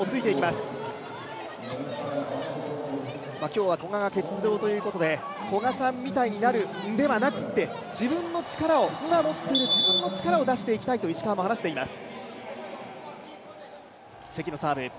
今日は古賀が欠場ということで古賀さんみたいになる、ではなくて自分の力を、今持っている自分の力を出していきたいと石川も話しています。